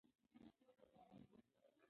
سوداګر باید د اقتصادي ثبات هڅه وکړي.